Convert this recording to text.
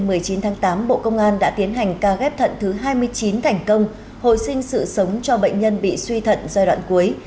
ngày một mươi chín tháng tám bộ công an đã tiến hành ca ghép thận thứ hai mươi chín thành công hồi sinh sự sống cho bệnh nhân bị suy thận giai đoạn cuối